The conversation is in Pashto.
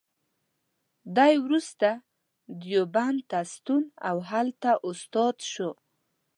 دی وروسته دیوبند ته ستون او هلته استاد شو.